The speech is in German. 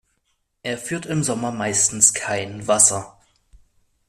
Er führt im Sommer meistens kein Wasser.